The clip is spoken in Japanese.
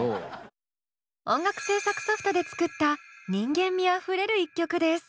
音楽制作ソフトで作った人間味あふれる一曲です。